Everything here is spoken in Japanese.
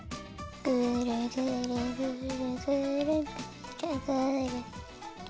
ぐるぐるぐるぐるぐるぐる。